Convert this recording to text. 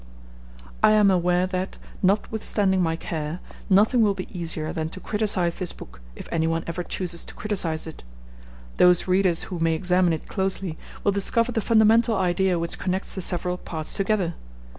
I am aware that, notwithstanding my care, nothing will be easier than to criticise this book, if anyone ever chooses to criticise it. Those readers who may examine it closely will discover the fundamental idea which connects the several parts together.